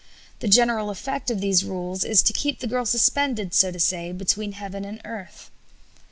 The general effect of these rules is to keep the girl suspended, so to say, between heaven and earth.